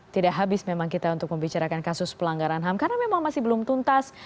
tidak habis memang kita untuk membicarakan kasus pelanggaran ham karena memang masih belum tuntas